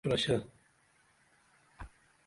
پرشہ